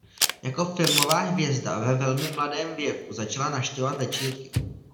Jako filmová hvězda ve velmi mladém věku začala navštěvovat večírky.